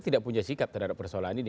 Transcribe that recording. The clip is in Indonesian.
tidak punya sikap terhadap persoalan ini